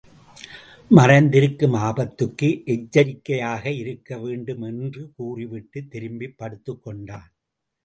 மறைந்திருக்கும் ஆபத்துக்கு எச்சரிக்கையாக இருக்க வேண்டும் என்று கூறிவிட்டுத் திரும்பப் படுத்துக் கொண்டான்.